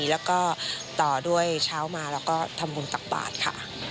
แล้วก็ต่อด้วยเช้ามาเราก็ทำบุญตักบาทค่ะ